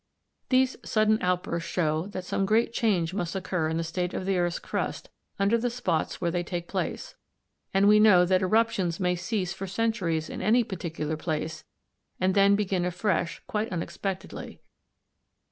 These sudden outbursts show that some great change must occur in the state of the earth's crust under the spots where they take place, and we know that eruptions may cease for centuries in any particular place and then begin afresh quite unexpectedly.